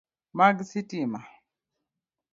Mag sitima.